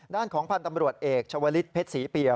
ด้านของพันธ์ตำรวจเอกชาวลิศเพชรศรีเปีย